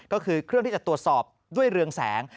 ก็คือเครื่องที่จะตรวจสอบด้วยเรืองแสง